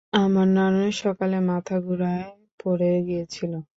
আমার নানু সকালে মাথা ঘুরায় পরে গিয়েছিলো।